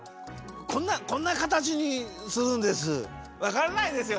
こんなこんなかたちにするんです。